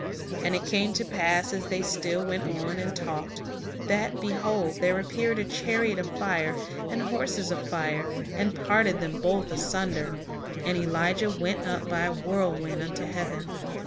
And it came to pass, as they still went on, and talked, that, behold, there appeared a chariot of fire, and horses of fire, and parted them both asunder; and Elijah went up by a whirlwind into heaven.